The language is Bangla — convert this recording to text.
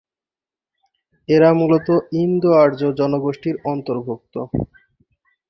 এরা মূলত ইন্দো-আর্য জনগোষ্ঠীর অন্তর্ভুক্ত।